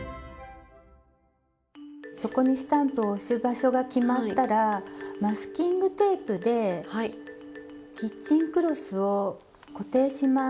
そこにスタンプを押す場所が決まったらマスキングテープでキッチンクロスを固定します。